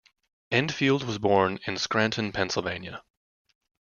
Endfield was born in Scranton, Pennsylvania.